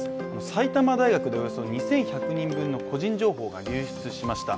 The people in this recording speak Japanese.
埼玉大学でおよそ２１００人分の個人情報が流出しました。